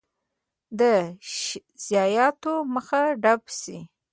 د ضایعاتو مخه ډب شي.